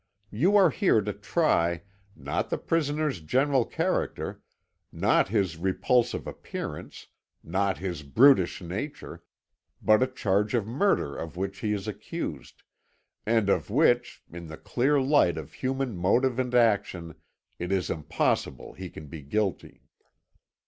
You are here to try, not the prisoner's general character, not his repulsive appearance, not his brutish nature, but a charge of murder of which he is accused, and of which, in the clear light of human motive and action, it is impossible he can be guilty."